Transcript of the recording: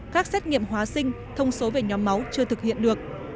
các xét nghiệm hóa sinh thông số về nhóm máu chưa thực hiện được